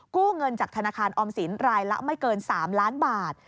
กู้เงินจากธนาคารออมสินรายละไม่เกิน๓ล้านบาท